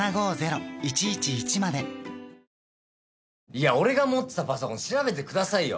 いや俺が持ってたパソコン調べてくださいよ。